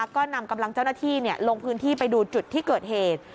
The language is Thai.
ก็นำกำลังเจ้าหน้าที่ลงพื้นที่ไปดูจุดที่เกิดเหตุ